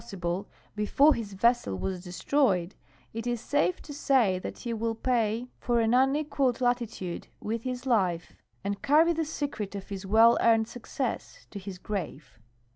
ssil)le, before his ve.ssel was destroyed, it is .safe to say that he will i>ay for an une(pial('d 100 jXANSEmY'S polar expedition latitude with his life and carry the secret of his well earned suc cess to his grave.